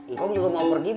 ngkong juga mau pergi bob